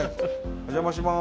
お邪魔します。